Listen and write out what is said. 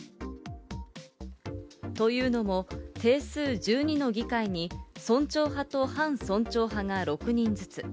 というのも、定数１２の議会に村長派と反村長派が６人ずつ。